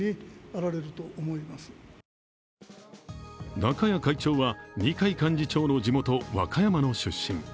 中家会長は二階幹事長の地元・和歌山の出身。